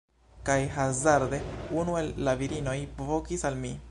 Kaj hazarde unu el la virinoj vokis al mi